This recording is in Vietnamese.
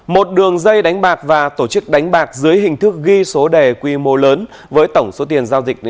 một đường dây đánh bạc và tổ chức đánh bạc dưới hình thức ghi số đề quy mô lớn với tổng số tiền giao dịch